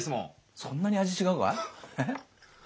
そんなに味違うか？